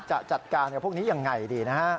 จะจัดการกับพวกนี้ยังไงดีนะฮะ